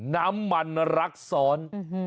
น้ำมันรักษร